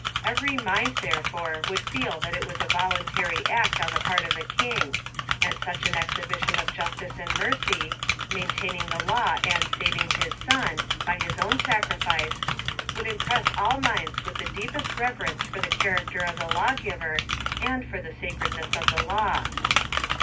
Every mind, therefore, would feel that it was a vol untary act on the part of the king : and such an ex hibition 3f justice and mercy, maintaining the law and saving his son, by his own sacrifice, would impress all minds with the deepest reverence for the character of the lawgiver, and for the sacred ness of the law.